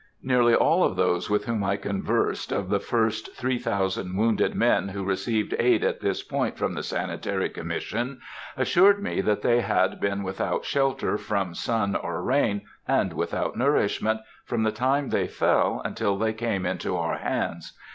Nearly all of those with whom I conversed, of the first three thousand wounded men who received aid at this point from the Sanitary Commission, assured me that they had been without shelter from sun or rain, and without nourishment, from the time they fell until they came into our hands.